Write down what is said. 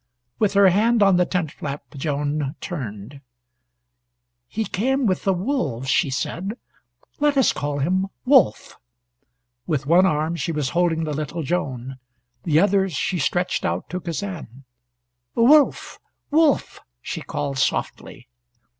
With her hand on the tent flap, Joan, turned. "He came with the wolves," she said. "Let us call him Wolf." With one arm she was holding the little Joan. The other she stretched out to Kazan. "Wolf! Wolf!" she called softly.